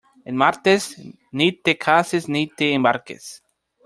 En martes ni te cases ni te embarques.